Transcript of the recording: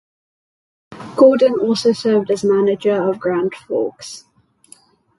Gordon also served as manager of Grand Forks.